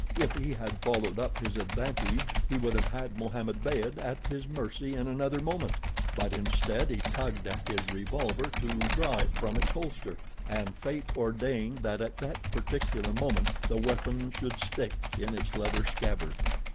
If he had followed up his advantage he would have had Mohammed Beyd at his mercy in another moment; but instead he tugged at his revolver to draw it from its holster, and Fate ordained that at that particular moment the weapon should stick in its leather scabbard.